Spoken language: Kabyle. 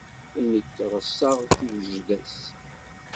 Nekk reṣṣaɣ tigejda-s.